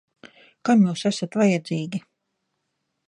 Kam jūs esat vajadzīgi?